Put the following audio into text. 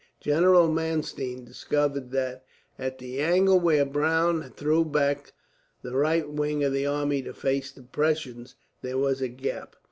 General Mannstein discovered that, at the angle where Browne threw back the right wing of the army to face the Prussians, there was a gap.